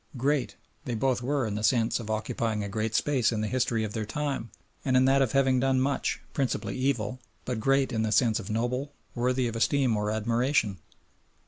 "Great" they both were in the sense of occupying a great space in the history of their time and in that of having done much, principally evil, but "great" in the sense of noble, worthy of esteem or admiration!